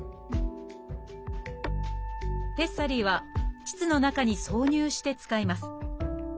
「ペッサリー」は腟の中に挿入して使います。